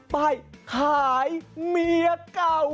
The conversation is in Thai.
ไปขายเมียเก่า